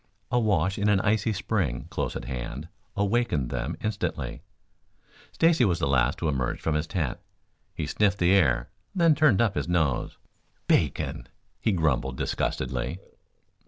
A wash in an icy spring close at hand awakened them instantly. Stacy was the last to emerge from his tent. He sniffed the air, then turned up his nose. "Bacon!" he grumbled disgustedly.